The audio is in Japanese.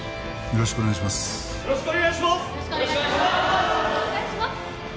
よろしくお願いします。